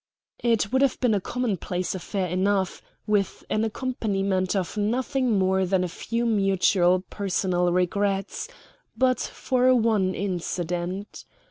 It would have been a commonplace affair enough, with an accompaniment of nothing more than a few mutual personal regrets, but for one incident.